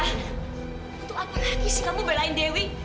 untuk apa lagi sih kamu berlain dewi